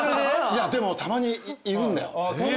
いやでもたまにいるんだよ。